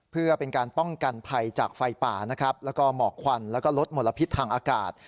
เพื่อเป็นการป้องกันภัยจากไฟป่านะครับแล้วก็หมอกควันแล้วก็ลดมลพิษทางอากาศ